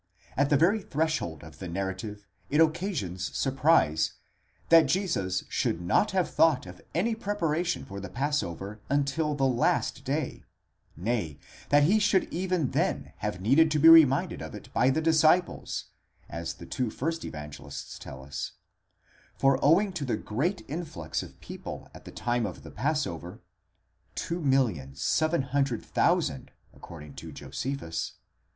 1 At the very threshold of the narrative it occasions surprise, that Jesus should not have thought of any preparation for the passover until the last day, nay, that he should even then have needed to be reminded of it by the disciples, as the two first Evangelists tell us : for owing to the great influx of people at the time of the passover (2,700,000, according to Josephus)